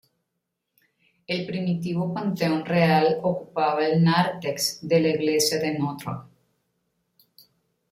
El primitivo panteón real ocupaba el nártex de la iglesia de Ntra.